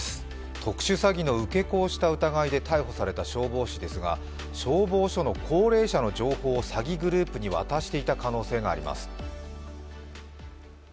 特殊詐欺ですけれども、受け子をした疑いで逮捕された消防士ですが消防署の高齢者の情報を詐欺グループに渡していた可能性があります。